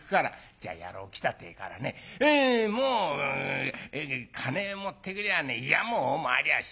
じゃあ野郎来たっていうからねもう金持ってくりゃあねいやもうまわりゃあしないよ。